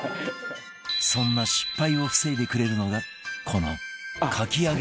そんな失敗を防いでくれるのがこのかき揚げリング